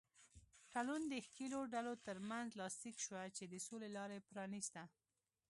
تړون د ښکېلو ډلو تر منځ لاسلیک شوه چې د سولې لاره یې پرانیسته.